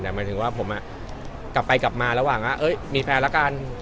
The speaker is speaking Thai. หมายถึงว่าผมมีแฟนละกัน